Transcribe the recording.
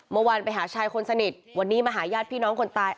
เมื่อวานไปหาชายคนสนิทวันนี้มาหาญาติพี่น้องคนตาย